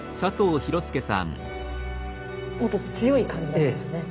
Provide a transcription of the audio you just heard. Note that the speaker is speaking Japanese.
ほんと強い感じがしますね。